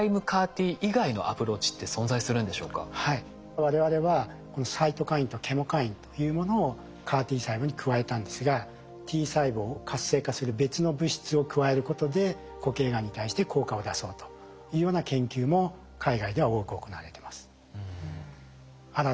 我々はサイトカインとケモカインというものをＣＡＲ−Ｔ細胞に加えたんですがＴ細胞を活性化する別の物質を加えることで固形がんに対して効果を出そうというような研究も海外では多く行われてます。